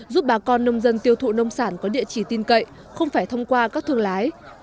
giúp bà con nông dân tiêu thụ nông sản có địa chỉ tin cậy không phải thông qua các thương lái